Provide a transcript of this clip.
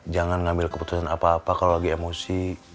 jangan ngambil keputusan apa apa kalau lagi emosi